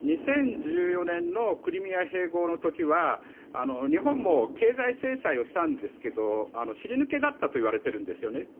２０１４年のクリミア併合の時日本も経済制裁をしたんですけど尻抜けだったといわれているんですね。